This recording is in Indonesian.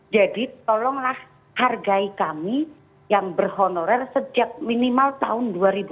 jadi tolonglah hargai kami yang berhonorer sejak minimal tahun dua ribu empat